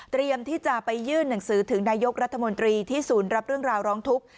ที่จะไปยื่นหนังสือถึงนายกรัฐมนตรีที่ศูนย์รับเรื่องราวร้องทุกข์